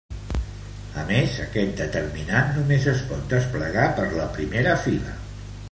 A més, este determinant només es pot desplegar per la primera fila.